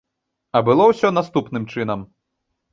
А было ўсё наступным чынам.